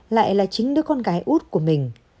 lại là chính đứa con gái út của mình